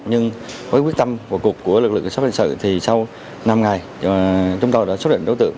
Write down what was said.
nhưng với quyết tâm của cục của lực lượng xác định sự thì sau năm ngày chúng tôi đã xuất hiện đối tượng